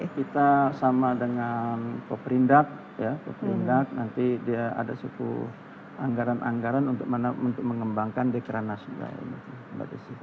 kita sama dengan poperindak ya poperindak nanti dia ada suku anggaran anggaran untuk mengembangkan dekranasta ini